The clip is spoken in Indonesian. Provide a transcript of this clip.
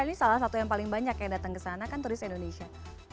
ini salah satu yang paling banyak yang datang ke sana kan turis indonesia